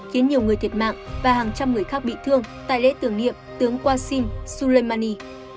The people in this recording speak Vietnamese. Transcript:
khiến nhiều người thiệt mạng và hàng trăm người khác bị thương tại lễ tưởng niệm tướng qasim soleimani